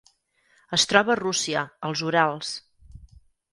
Es troba a Rússia, als Urals.